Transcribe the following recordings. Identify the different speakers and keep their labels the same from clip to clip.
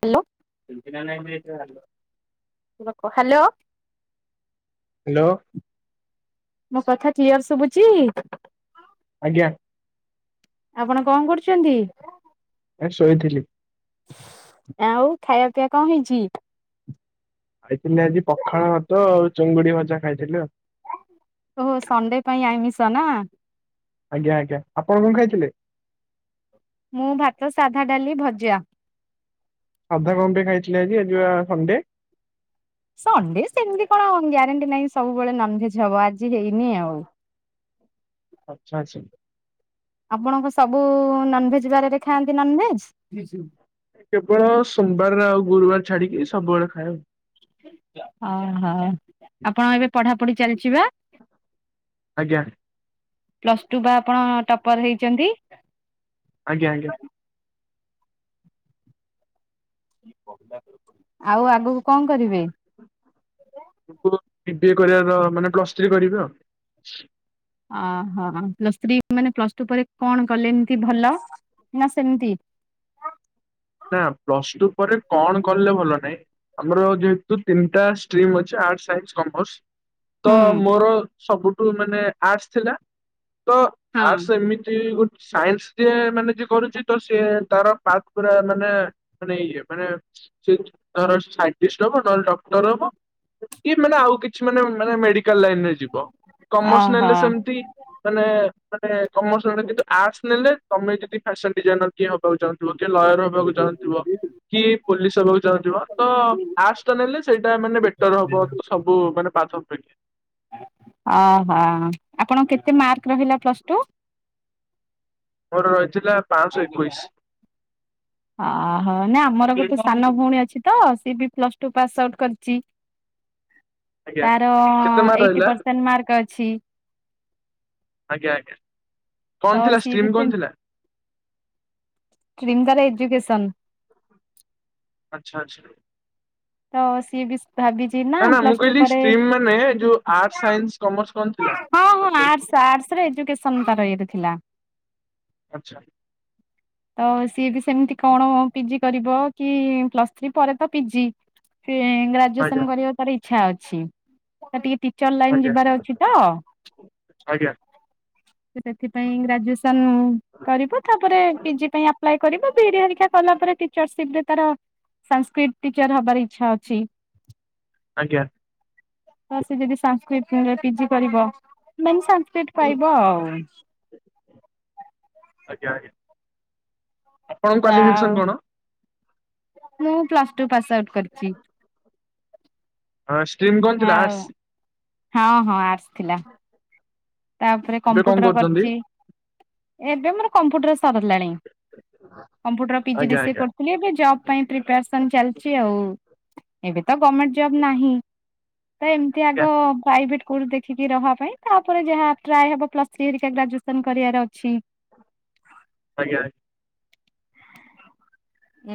Speaker 1: Hello. [inaudible] Hello.
Speaker 2: Hello.
Speaker 1: Clear ଶୁଭୁଛି।
Speaker 2: ଆଜ୍ଞା।
Speaker 1: ଆପଣ କଣ କରୁଛନ୍ତି?
Speaker 2: ଏ ଶୋଇଥିଲି।
Speaker 1: ଆଉ ଖାଇବା ପିଇବା କଣ ହେଇଚି?
Speaker 2: ଖାଇଥିଲି ଆଜି ପଖାଳ ଭାତ ଆଉ ଚିଙ୍ଗୁଡି ଭଜା ଖାଇଥିଲି ଆ
Speaker 1: ଓହୋ ସଣ୍ଡେ ପାଇଁ ଆଇମିଷ ନା।
Speaker 2: ଆଜ୍ଞା ଆଜ୍ଞା ଆପଣ କଣ ଖାଇଥିଲେ?
Speaker 1: ମୁଁ ଭାତ ସାଧା ଡାଲି ଭଜା।
Speaker 2: ସାଧା କଣ ପାଇଁ ଖାଇଥିଲେ ଆଜି ପା ସଣ୍ଡେ।
Speaker 1: ସଣ୍ଡେ ସେମିତି କଣ ଗ୍ୟାରେଣ୍ଟି ନାହିଁ ସବୁବେଳେ ନନଭେଜ ହବ ଆଜି ହେଇନି ଆଉ?
Speaker 2: ଆଚଛା ଆଛା।
Speaker 1: ଆପଣଙ୍କ ସବୁ ନନଭେଜ ବାରରେ ଖାଆନ୍ତି ନନଭେଜ।
Speaker 2: କେବଳ ସୋମବାରରେ ଆଉ ଗୁରୁବାର ଛାଡିକି ସବୁବେଳେ ଖାଏ ଆଉ।
Speaker 1: ଅ ହୋ ଆପଣ ଏବେ ପଢାପଢି ଚାଲିଛି ବା?
Speaker 2: ଆଜ୍ଞା।
Speaker 1: ପ୍ଲସ୍ ଟୁ ବା ଆପଣ ଟପର ହେଇଚନ୍ତି।
Speaker 2: ଆଜ୍ଞା ଆଜ୍ଞା।
Speaker 1: ଆଉ ଆଗକୁ କଣ କରିବେ?
Speaker 2: ବିଏ କରିବାର ମାନେ ପ୍ଲସ୍ ଥ୍ରୀ କରିଵି ଆଉ।
Speaker 1: ଅ ହୋ ପ୍ଲସ୍ ଥ୍ରୀ ମାନେ ପ୍ଲସ ଟୁ ପରେ କଣ କଲେ ଏମତି ଭଲ ନା ସେମିତି?
Speaker 2: ନା ପ୍ଲସ ଟୁ ପରେ କଣ କଲେ ଭଲ ନାହିଁ ଆମର ଯେହେତୁ ତିନିଟା ଷ୍ଟ୍ରିମ ଅଛି ଆର୍ଟସ ସାଇନ୍ସ କମର୍ସ। ତ
Speaker 1: ହୁଁ
Speaker 2: ମୋର। ସବୁଠୁ ମାନେ ଆର୍ଟସ୍ ଥିଲା। ତ
Speaker 1: ହଁ।
Speaker 2: ଆର୍ଟସ ଏମିତି ଗୋଟେ। ସାଇନ୍ସ ଯିଏ ମାନେ ଜିଏ କରୁଛି ତ ସିଏ ତାର - ପୁରା ମାନେ ମାନେ ଇଏ ମାନେ ସେ ସାଇନ୍ତିଷ୍ଟ ହବ ନହେଲେ ଡକ୍ଟର ହବ କି ମାନେ ଆଉ କିଛି ମାନେ। ମାନେ ମେଡିକାଲ ଲାଇନ ରେ ଯିବ କମର୍ସ
Speaker 1: ଓହୋ
Speaker 2: ନେଲେ ସେମତି ମାନେ। ମାନେ କମର୍ସ ରେ କିନ୍ତୁ ଆର୍ଟସ ନେଲେ ତମେ ଯଦି ଫ୍ୟାସନ ଡିଜାଇନର ଟିଏ ହବାକୁ ଚାହୁଁ ଥିବା। କିଏ ଲୟର ହବାକୁ ଚାହୁଁଥିବ କି ପୋଲିସ ହବାକୁ ଚାହୁଁଥିବ ତ ଆର୍ଟସ ଟା ନେଲେ ସେଇଟା ମାନେ ବେଟର ହବ ତ ସବୁ ମାନେ ପା ଆଜ୍ଞା।
Speaker 1: ଓହୋ ଆପଣଙ୍କ କେତେ ମାର୍କ ରହିଲା ପ୍ଲସ ଟୁ।
Speaker 2: ମୋର ର। ହି ଥିଲା ପାଆଁଶହ ଏକୋଇଶ।
Speaker 1: ଅହୋ ନା ଆମର ଗୋଟେ ସାନ ଭଉଣୀ ଅଛି ତ। ସିଏ ବି ପ୍ଲସ୍ ଟୁ ପାସ୍ ଆଉଟ୍ କରିଛି।
Speaker 2: ଆଜ୍ଞା
Speaker 1: ତାର
Speaker 2: କେତେ ମାର୍କ
Speaker 1: ଏଇଟି
Speaker 2: ରହିଲା?
Speaker 1: ପରସେଣ୍ଟ ମାର୍କ ଅଛି। ଅଛି।
Speaker 2: ଆଜ୍ଞା ଆଜ୍ଞା। କଣ ଥିଲା
Speaker 1: ସିଏ ବି
Speaker 2: ଷ୍ଟିମ୍
Speaker 1: ସେ
Speaker 2: କଣ ଥିଲା।
Speaker 1: ଷ୍ଟ୍ରିମ୍ ତାର ଏଜୁକେସନ।
Speaker 2: ଆଚ୍ଛା ଆଚ୍ଛା।
Speaker 1: ତ। ସିଏ ବି ଭାବିଚି ନା
Speaker 2: ମୁଁ
Speaker 1: ପ୍ଲସ ଟୁ
Speaker 2: କହିଲି
Speaker 1: ପରେ
Speaker 2: ଷ୍ଟ୍ରିମ୍ ମାନେ ଯୋଉ ଆର୍ଟସ୍ ସାଇନ୍ସ କମର୍ସ କଣ ଥିଲା?
Speaker 1: ହଁ ହଁ
Speaker 2: ଆଚ୍ଛା
Speaker 1: ଆର୍ଟ୍ସ ଆର୍ଟ୍ସ ରେ ଏଯୁକେଶନ ତା ର ୟେରେ। ଥିଲା।
Speaker 2: ଆଚ୍ଛା।
Speaker 1: ତ ସିଏ ବି ସେମିତି କଣ ପିଜି କରିବ କି ପ୍ଲସ ଥ୍ରୀ ପରେ ତ ପିଜି। ଗ୍ରାଜୁଏସନ
Speaker 2: ଆଜ୍ଞା
Speaker 1: କରିବା ତାର। ଇଛା ଅଛି ତ ଟିକେ। ଟିଚର ଲାଇନ
Speaker 2: ଆଜ୍ଞା
Speaker 1: ଯିବାର ଅଛି ତ।
Speaker 2: ଆଜ୍ଞା
Speaker 1: ସେ ସେଥି ପାଇଁ ଗ୍ରାଯୁଏସନ। ସନ କରିବ ତାପରେ। [unintelligible] ପରେଟିରସିପ ରେ ତ ସଂସ୍କ୍ର୍ରିତ୍ ଟିଚର୍ ହବାର ଇଛା ଅଛି
Speaker 2: ଆଜ୍ଞା
Speaker 1: ତ ସେ ଯଦି ସାଂସ୍କୃତିରେ ପିଜି କରିବ ମାନେ ସା ପାଇବ ଆଉ
Speaker 2: ଆଜ୍ଞା ଆଜ୍ଞା ଆପଣଙ୍କ
Speaker 1: ଆଉ
Speaker 2: କ୍ୱଲିଫିକେସନ କଣ
Speaker 1: ମୁଁ ପ୍ଲସ ଟୁ ପାସ୍ ଆଉଟୁ କରଛିି
Speaker 2: ହଁ ଷ୍ଟିମ୍ କଣ ଥିଲା
Speaker 1: ଆଉ
Speaker 2: ଆର୍ଟ୍ସ୍
Speaker 1: ହଁ ହଁ ଆ ଥିଲା ତାପରେ
Speaker 2: ଏବେ କଣ
Speaker 1: କମ୍ପ୍ୟୁଟର
Speaker 2: କରୁଛନ୍ତି?
Speaker 1: କରିଛି ଏବେ ମୋର କମ୍ପ୍ୟୁଟର ସରିଲାଣି କମ୍ପୁଟର ପି ଜି ଡି
Speaker 2: ଆଜ୍ଞା
Speaker 1: ସି ଏ ସେ
Speaker 2: ଆଜ୍ଞା
Speaker 1: କରୁଥିଲ ଏବେ ଜ ପାଇଁ ପ୍ରିପାରେସନ୍ ଚାଲିଛି ଆଉ ଏବେ। ତ ଗମେଣ୍ଟ ଜବ୍ ନାହିଁ। ତ ଏମିତି ଆଗ
Speaker 2: ଆଜ୍ଞା
Speaker 1: ପ୍ରାଇଭେଟ ଦେଖିକି ରହିବା ପାଇଁ ତା ଯାହା ଟ୍ରଏ ହବ ପ୍ଲସ ଥ୍ରୀ ହେରା ଗ୍ରାଜୁଏସନ କରିବାର ଅଛି।
Speaker 2: ଆଜ୍ଞା।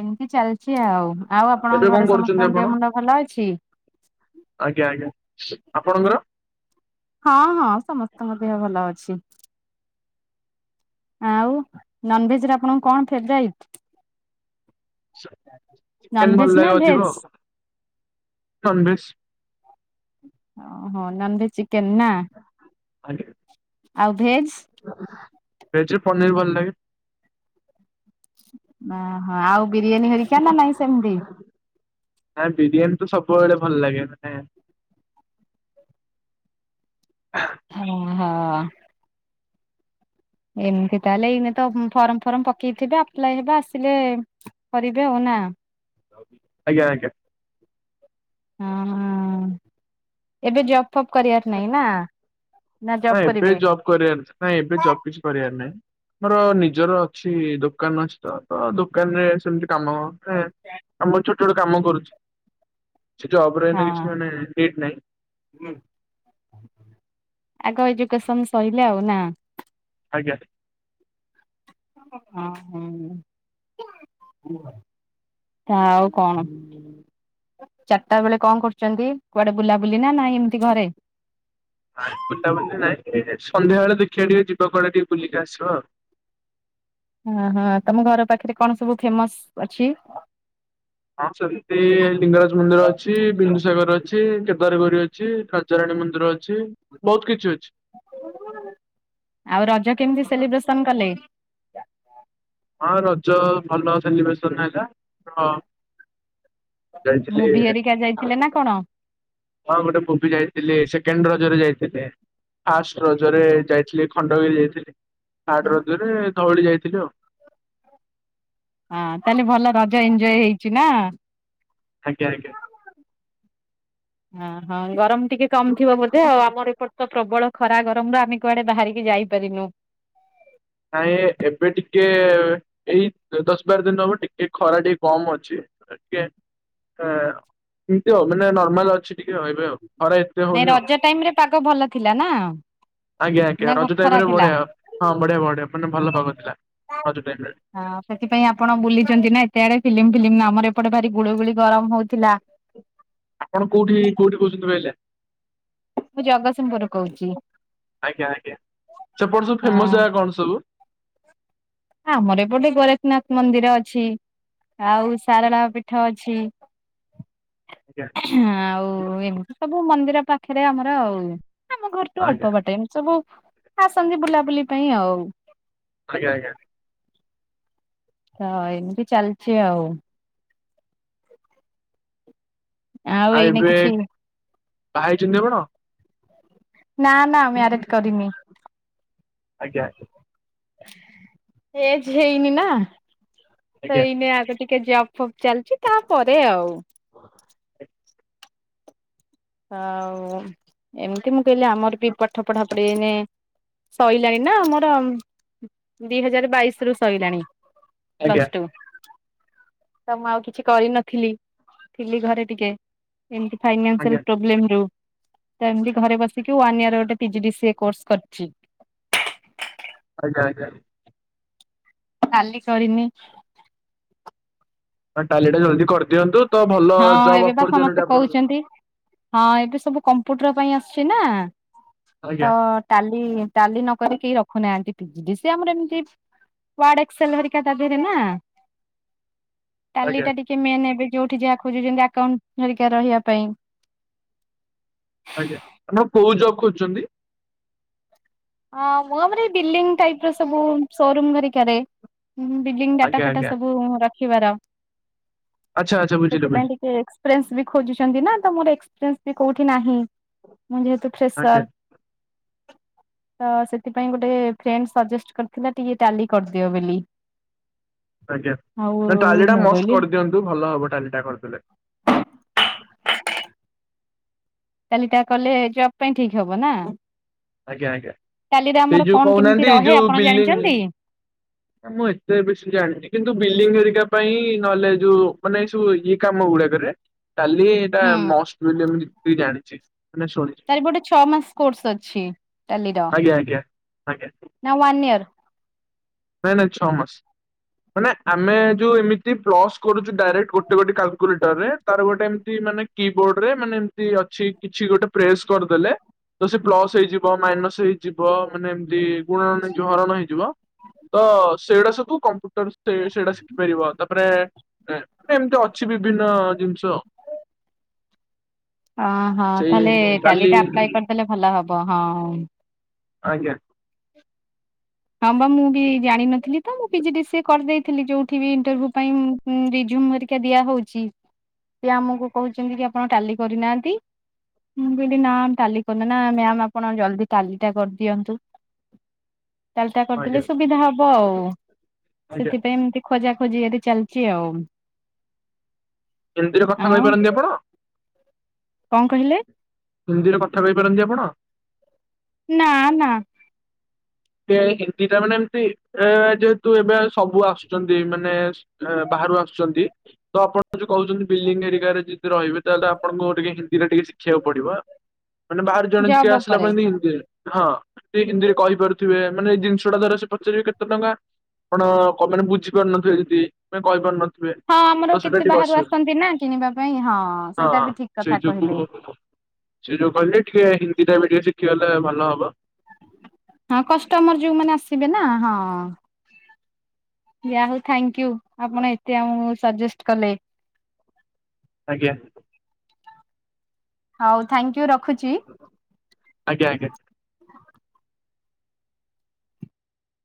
Speaker 1: ଏମତି ଚାଲ ଅଛି ଆଉ ଆଉ
Speaker 2: ଏବେ
Speaker 1: ଆପଣଙ୍କ
Speaker 2: କଣ
Speaker 1: ଘରେ
Speaker 2: କରୁଛନ୍ତି
Speaker 1: ସମସ୍ତଙ୍କ
Speaker 2: ଆପଣ?
Speaker 1: ଦେହ ମୁଣ୍ଡ ଭଲ ଅଛି
Speaker 2: ଆଜ୍ଞା ଆଜ୍ଞା ଆପଣଙ୍କର
Speaker 1: ହଁ ହଁ ସମସ୍ତଙ୍କ ଦେହ ଭଲ ଅଛି। ଆଉ ନନଭେଜ ଆପଣଙ୍କୁ କଣ ଫେବରାଇଟ୍-
Speaker 2: ଚିକେନ ଭଲାଗେ ଅଧିକ।
Speaker 1: ଭେଜ?
Speaker 2: ନନ୍ଭେଜ୍।
Speaker 1: ଓହୋ ନନ୍ ଭେଜ ଚିକେନ ନା।
Speaker 2: ଆଞା
Speaker 1: ଆଉ ଭେଜ୍
Speaker 2: ଭେଜ ରେ ପନିର ଭଲ ଲାଗେ।
Speaker 1: ଓହୋ ଆଉ। ବିରିୟାନୀ ହେରିକା ନା ନାଇଁ ସେମିତି।
Speaker 2: ହଁ ବିରିୟାନୀ ତ ସବୁବେଳେ ଭଲ ଲାଗେ ମାନେ
Speaker 1: ହଁ ହଁ। ଏମିତି ତାହେଲେ ଏଇନେ ତ ଫର୍ମ ଫର୍ମ ପକେଇଥିବେ ଆପ୍ଲାଏ ହେବେ ଆସିଲେ କରିବେ ଆଉ ନା।
Speaker 2: ଆଜ୍ଞା ଆଜ୍ଞା
Speaker 1: ହଁ ଏବେ ଜପ ଫପ କରିବାର ନାହିଁ ନା। ନା ଜବ୍
Speaker 2: ନାଇଁ ଏବେ
Speaker 1: କରିବେ?
Speaker 2: ଜବ୍ କରିବାର ନାଇଁ ଏବେ ଜବ୍ କିଛି କରିବାର ନାହିଁ। ମୋର ନିଜର ଅଛି ଦୋକାନଛି ତ ତ ଦୋକାନରେ ସେମିତି। କାମ ଆମ ଛୋଟ ଟ କାମ କରୁଛି। ସେ ଜବରେ
Speaker 1: ହଁ
Speaker 2: କିଛି ମାନେ ଲେଟ୍ ନହିଁ।
Speaker 1: ଲୋକସ ସରିଲେ ଆଉ ନା।
Speaker 2: ଆଜ୍ଞା।
Speaker 1: ଆଉ କଣ ଚାରିଟା ବେଳେ କଣ କରୁଛନ୍ତି କୁଆଡେ ବୁଲାବୁଲି ନା ନାାଇ ଏମିତି ଘରେ।
Speaker 2: ନାଇଁ ବୁଲା ବୁଲି ନାଇଁ ସନ୍ଧ୍ୟା ବଳେ ଦେଖିବା ଟିକେ ଯିବା କୁଆଡେ ଟିକେ ବୁଲିକି ଆସିବ ଆଉ।
Speaker 1: ହ ହଁ ତମ ଘର ପାଖରେ କଣ ସବୁ ଫେମସ ଅଛି?
Speaker 2: ହଁ ସେମିତି ଲିଙ୍ଗରାଜ ମନ୍ଦିର ଅଛି ବିନ୍ଦୁସାଗର ଅଛି କେଦାରଗରି ଅଛି। ରାଜା ରଣୀ ମନ୍ଦିର ଅଛି ବହୁତ କିଛି ଅଛି।
Speaker 1: ଆଉ ରଜ କେମିତି ସେଲିବ୍ରେସନ କଲେ?
Speaker 2: ହଁ ରଜ ଭଲ ସେଲି ବେଶ [inaudible] ଯାଇଥିଲି
Speaker 1: ମୁଭି ହେରିକା ଯାଇଥିଲେ ନା କଣ?
Speaker 2: ହଁ ଗୋଟେ ପୋପି ଯାଇଥିଲି ସେଠି କେଣ୍ଡ୍ର ଜେରୀ ଯାଇଥିଲେ। ଫାଷ୍ଟ ରଜରେ ଯାଇଥିଲି ଖଣ୍ଡଗିରି ଯାଇଥିଲି। [inaudible] ଥାର୍ଡ
Speaker 1: ହଁ
Speaker 2: ରଜରେ। ଧଉଳି ଯାଇଥିଲି ଆଉ।
Speaker 1: ଛି ନା
Speaker 2: ଆଜ୍ଞା ଆଜ୍ଞା।
Speaker 1: ହଁ ହଁ ଗରମ। ଟିକେ କମ୍ ଥିବ ବୋଧେ ଆଉ ଆମର ଏପଟେ ତ ପ୍ରବଳ ଖରା ଗରମରୁ ଆମେ କୁଆଡେ ବାହାରିକି ଯାଇପାରିନୁ।
Speaker 2: ନାଇଁ ଏବେ ଟିକେ ଏଇ ଦଶ ବାର ଦିନ ହବ ଟିକେ ଖରା ଟିକେ କମ ଅଛି ଟେ ଏମିତି ହବ ମାନେ ନର୍ମାଲ ଅଛି। ଟିକେ ରହିବେ ଆଉ ଖରା ଏତେ
Speaker 1: ନାଇଁ
Speaker 2: ହଉନି
Speaker 1: ରଜ ଟାଇମ ରେ ପାଗ ଭଲ ଥିଲା ନା?
Speaker 2: ଆଜ୍ଞା ଆଜ୍ଞ
Speaker 1: ନା ଗ
Speaker 2: ରଜ
Speaker 1: ଖରା
Speaker 2: ଟାଇମରେ
Speaker 1: ଥିଲା।
Speaker 2: ବଢିଆ ହଁ ବଢିଆ ବଢିଆ। ମାନେ ଭଲ ପାଗ ଥିଲା। ରଜ ଟାଇମ ରେ
Speaker 1: ହଁ ସେଥିପାଇଁ ଆପଣ ବୁଲିଛନ୍ତି ନା ଏତେ ଆଡେ ଫିଲ୍ମ ଫିଲ୍ମ ଆମର ଏପଟେ ଭାରି ଗୁଳୁଗୁଳି ଗରମ ହୋଉଥିଲା।
Speaker 2: ଆପଣ କୋଉଠି କୋଉଠି କହୁଥିଲେ କହିଲେ।
Speaker 1: ମୁଁ ଜଗତସିଂହପୁର କହୁଛି
Speaker 2: ଆଜ୍ଞା ଆଜ୍ଞା ସେପଟ ସବୁ ଫେମସ
Speaker 1: ହଁ
Speaker 2: ଜାଗା କଣ ସବୁ।
Speaker 1: ଆମର ଏପଟେ ଗୋରେଖନାଥ ମନ୍ଦିର ଅଛି। ଆଉ ସାରଳା ପିଠ ଅଛି।
Speaker 2: ଆଜ୍ଞା
Speaker 1: ହ ହଉ ଏନ୍ ଆଉ ଏବେ ସବୁ ମନ୍ଦିର ପାଖରେ ଆମର ଆଉ ଆମ ଘରଠୁ
Speaker 2: ଆଜ୍ଞା
Speaker 1: ଅଳ୍ପ ବାଟ ଏମ ସବୁ ଆସନ୍ତି ବୁଲାବୁଲି ପାଇଁ ଆଉ।
Speaker 2: ଆଜ୍ଞା ଆଜ୍ଞା।
Speaker 1: ତ ଏମିତି ଚାଲ୍ଚି ଆଉ।
Speaker 2: ଆଉ
Speaker 1: ଏଇନେ
Speaker 2: ଏବେ
Speaker 1: କିଛି
Speaker 2: ବାହା ହେଇଛନ୍ତି ଆପଣ?
Speaker 1: ନା ନା ମାରେଟ କରିନି।
Speaker 2: ଆଜ୍ଞା ଆଜ୍ଞା।
Speaker 1: ଏଜ ହେଇନି ନା।
Speaker 2: ଆଜ୍ଞା।
Speaker 1: ହେଇନେ ଆଗ ଟିକ ଟ ଜପ୍ ଫପ୍ ଚାଲିଚି ତାପରେ ଆଉ।
Speaker 2: [inaudible]
Speaker 1: ଆଉ ଏମିତି ମୁଁ କହିଲି ଆମର ବି ପାଠ ପଢା ପଢି ସୋଇଲାାଣି ନା ଆମର। ଦି ହଜାର ବାଇଶ ରୁ ସରିଲାଣି।
Speaker 2: ଆଜ୍ଞା
Speaker 1: ପ୍ଲସ ଟୁ ତ ମୁଁ ଆଉ କିଛି କରିନଥିଲି ଥିଲି ଘରେ ଟିକେ। ଏମିତି ଫାଇନାନ୍ସଆଲ
Speaker 2: ଆଜ୍ଞା
Speaker 1: ତ ଏମିତି ଘରେ ବସିକି ଓନେ ୟେର ଗୋଟେ ପିଜିଡିସିଏ କ୍ରୋସ କରିଛି।
Speaker 2: ଆଜ୍ଞା ଆଜ୍ଞା
Speaker 1: ଟାଲି କରିନି।
Speaker 2: ନା ଟାଲି ଟା ଜଲ୍ଦି କରିଦିଅନ୍ତୁ। ତ ଭଲ
Speaker 1: ହଁ
Speaker 2: ଜବ୍
Speaker 1: ଏବେ ବା
Speaker 2: ଅପରଚ୍ୟୁନିଟି
Speaker 1: ସମସ୍ତେ
Speaker 2: ଆପଣଙ୍କୁ
Speaker 1: କହୁଛନ୍ତି ହଁ ଏବେ ସବୁ କମ୍ପୁଟର ପାଇଁ ଆସୁଛି ନା
Speaker 2: ଆଜ୍ଞା
Speaker 1: ତ ଟାଲି ଟାଲି ନକରିକି କେହି ରଖ ଦେଖୁ ନାହାନ୍ତିି ପିଜିଡିସିଏ ଆମର ଏମିତି ୱାର୍ଡ ଏକ୍ସେଲହେରିକା ତା ଦେହରେ ନା ଟାଲି
Speaker 2: ଆଜ୍ଞା
Speaker 1: ଟା ଟିକେ ମେନ୍ ଏବେ [inaudible] ଖୋଜୁଛନ୍ତି ଆଉଣ୍ଟ ହେରିକା ରହିବା ପାଇଁ
Speaker 2: ଆଜ୍ଞା ଆପଣ କୋଉ ଜବ୍ ଯଖହୁଛନ୍ତି?
Speaker 1: ହଁ ମୁଁ ଆମର ବିଲଡିଙ୍ଗ ଟାଇପ ର ସବୁ ସୋରୁ ହେରିକରେ ହଁ ବିଲଡିଙ୍ଗ ଡାଟା
Speaker 2: ଆଜ୍ଞା
Speaker 1: ଫାଟା
Speaker 2: ଆଜ୍ଞା
Speaker 1: ସବ ରଖ
Speaker 2: ଆଚ୍ଛା ଆଚ୍ଛା
Speaker 1: ଶିବରାମ
Speaker 2: ବୁଝିଲି
Speaker 1: ସେଥିପାଇଁ
Speaker 2: ବୁଝିଲି
Speaker 1: ଟିକ ଏକ୍ପିସ ବି ଖୋଜଛନ୍ତି ନା ତ ମୋର ଏସ [unintelligible] ନାହିଁ। ମୁଁ ଯେହେତୁ ଫ୍ରେଶର।
Speaker 2: ଆଜ୍ଞା
Speaker 1: ତ ସେଥିପାଇଁ ଗୋଟେ ଫ୍ରେଣ୍ଡ ସଜେଷ୍ଟ କରିଥିଲା ଟିକେ ଟାଲି କରିଦିଅ ବୋଲି।
Speaker 2: ଆଜ୍ଞା
Speaker 1: ଆଉ
Speaker 2: ନା ଟାଲି ଟା
Speaker 1: ମୁଁ
Speaker 2: ମଷ୍ଟ
Speaker 1: କହିଲି
Speaker 2: କରିଦିଅନ୍ତୁ ଭଲ ହବ। ଟିଲିଟା କରୁଥିଲେ।
Speaker 1: ଟାଲି ତା କଲେ ଜବ ପାଇଁ ଠିକ ହବ ନା।
Speaker 2: ଆଜ୍ଞା ଆଜ୍ଞା।
Speaker 1: ଟାଲିରେ
Speaker 2: ସେ
Speaker 1: ଆମର
Speaker 2: ଯୋଉ
Speaker 1: କଣ କେମିତି
Speaker 2: କହୁନାହାନ୍ତି
Speaker 1: ରହେ
Speaker 2: ଯୋଉ
Speaker 1: ଆପଣ
Speaker 2: ବିଲଡିଂ
Speaker 1: ଜାଣିଛନ୍ତି?
Speaker 2: ମୁଁ ଏତେ ବେଶୀ ଜାଣିିନି କିନ୍ତୁ ବିଲଡିଂ ହେରିକା ପାଇଁ ନହେଲେ ଯୋଉ ମାନେ ଏଇ ସବୁ ଏଇ କାମ ଗୁଡାକରେ ଟାଲି ଏଇଟା
Speaker 1: ହୁଁ
Speaker 2: ମଷ୍ଟିଲୟମ ତୁଇ ଜାଣିଛି। ମାନେ ଶୁଣିଛି
Speaker 1: ତାର ଗୋଟେ ଛଅ ମାସ କୋର୍ସ ଅଛି। ଟାଲିର
Speaker 2: ଆଜ୍ଞା ଆଜ୍ଞା। ଆଜ୍ଞା।
Speaker 1: ନା ୱନ୍ ଇୟର
Speaker 2: ନାଇଁ ନାଇଁ ଛଅ ମାସ ମାନେ ଆମେ ଯୋଉ ଏମିତି ପ୍ଲସ୍ କରୁଛୁ ଡାଇରେକ୍ଟ ଗୋଟେ ଗୋଟେ କାଲକୁଲେଟରରେ ତାର ଗୋଟେ ଏମିତି ମାନେ କି ବୋର୍ଡ଼ରେ ମାନେ ଏମିତି ଅଛି କିଛି ଗୋଟେ ପ୍ରେସ୍ କରିଦେଲେ ତ ସେ ପ୍ଲସ୍ ହେଇଯିବ ମାଇନସ୍ ହେଇଯିବ। ମାନେ ଏମତି ଗୁଣ ନେଇଯିବ ହରଣ ହେଇଯିବ। ତ ସେଇଟା ସବୁ କମ୍ ସେଇଟା ଶିଖିପାରିବ ତାପରେ ମ ଏମିତି ଅଛି ବିଭିନ୍ନ ଜିନିଷ। ଆଉ।
Speaker 1: ଅ ହଁ ତାହଲେ
Speaker 2: କାଲି
Speaker 1: କାଲିଟା ଆପ୍ଲାଏ କରିଦେଲେ ଭଲ ହବ ହଉ।
Speaker 2: ଆଜ୍ଞା।
Speaker 1: ହଁ ବା ମୁଁ ବି ଜାଣିନଥିଲି ତ ମୁଁ ପିଜି ଡି ସିଏ କରିଦେଇଥିଲି ଯୋଉଠି ବି ଇଣ୍ଟରଭ୍ୟୁ ପାଇଁ ରିଜୁମ୍ ହରିକା ଦିଆହଉଛି ସେ ଆମକୁ କହୁଛନ୍ତି ଯେ ଆପଣ ଟାଲି କରିନାହାନ୍ତି ମୁଁ ନା ଟାଲିନ ନା ମ୍ୟାମ ଆପଣ ଜଲଦି ଟାଲିଟା କରିଦିଅନ୍ତୁ। ଚାଲିତା କରିଦେଲେ
Speaker 2: ଆଜ୍ଞା
Speaker 1: ସୁବିଧା ହବ ଆଉ
Speaker 2: ଆଜ୍ଞା।
Speaker 1: ସେଥିପାଇଁ ଏମତି ଖୋଜା ଚାଲି ଖୋଜିଏଦି ଚାଲିଚି ଆଉ।
Speaker 2: ଏମିତିରେ କଥା କହିପାରନ୍ତି ଆପଣ?
Speaker 1: କଁ କହିଲେ?
Speaker 2: ହିନ୍ଦୀରେ କଥା କହିପାରନ୍ତି ଆପଣ?
Speaker 1: ନା ନା।
Speaker 2: ହିନ୍ଦୀ ଟା ମାନେ ଏମତି ଏ ଯେହେତୁ ଏବେ ସବୁ ଆସୁଛନ୍ତି ମାନେ ବାହାରୁ ଆସୁଛନ୍ତି ତ ଆପଣ ଯଉ କହୁଛନ୍ତି ବିଲଡିଂ ଏରିଆରେ ଯଦି ରହିବେ ତାହେଲେ ଆପଣଙ୍କୁ ଟିକେ ହିନ୍ଦୀରେ ଟିକେ ଶିଖିବାକୁ ପଡିବ। ମାନେ ବାର ଜଣ ଯିକେ
Speaker 1: ଜବ୍
Speaker 2: ଆସିଲା
Speaker 1: ଉପରେ।
Speaker 2: ପରେ ହିୀରେ ହଁ ସେ ହିନ୍ଦୀରେ କହିପାରୁ ମାନେ ଏଇ ଜିନିଷ ଟା ଦାରା ସେ ପଚାରିବେ କେତେ ଟଙ୍କା ଆପଣ ମାନେ ବୁଝିପାରୁନଥିବେ ଏମତି କ କହିପାରୁନଥି
Speaker 1: ହଁ ଆମର କେତେ ବାହାରୁ ଆସନ୍ତି ନା କିଣିବା ପାଇଁ ହଁ
Speaker 2: ହଁ
Speaker 1: ସେଇଟା ବି ଠିକ
Speaker 2: ସେଇ
Speaker 1: କଥା
Speaker 2: ଯୋଗୁ
Speaker 1: କହିଲେ।
Speaker 2: ଦୁଟା ମିିଡ଼ିଓ ଶିଖିବାଗଲେ ଭଲ ହେବ।
Speaker 1: ହଁ କଷ୍ଟମର ଯୋଉମାନୋନ ଆସିବେ ନା ହଁ ଦା ହଉ ଥ୍ୟାଙ୍କୟୁ। ଆପଣ ଏତେ ଆମ ସଜେଷ୍ଟ କଲେ।
Speaker 2: ଆଜ୍ଞା।
Speaker 1: ହଉ ଥ୍ୟାଙ୍କୟୁ। ରଖୁଛି।
Speaker 2: [inaudible] ଆଜ୍ଞା ଆଜ୍ଞା।